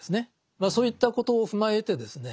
まあそういったことを踏まえてですね